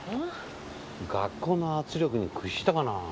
学校の圧力に屈したかなぁ？